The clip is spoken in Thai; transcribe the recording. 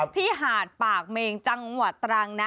ที่หาดปากเมงจังหวัดตรังนะ